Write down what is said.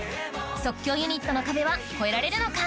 即興ユニットの壁は越えられるのか？